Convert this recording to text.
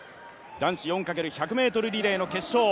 男子４×１００ｍリレーの決勝。